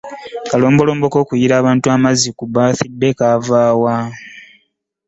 Akalombolombo k'okuyiira abantu amazzi ku bbaasidde kaava wa?